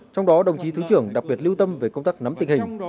trong đó đồng chí thứ trưởng đặc biệt lưu tâm về công tác nắm tình hình